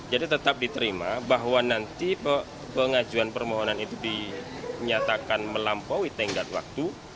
jadi tetap diterima bahwa nanti pengajuan permohonan itu dinyatakan melampaui tengkat waktu